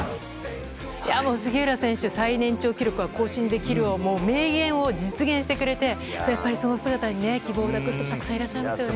もう杉浦選手、最年長記録は更新できるを、名言を実現してくれて、やっぱりその姿にね、希望を抱く人、たくさんいらっしゃいますよね。